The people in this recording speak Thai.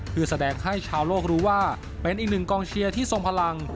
เพื่อแสดงให้ชาวโลกรู้ว่าเป็นอีกหนึ่งกองเชียร์ที่ทรงพลัง